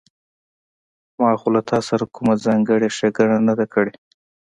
ما خو له تاسره کومه ځانګړې ښېګڼه نه ده کړې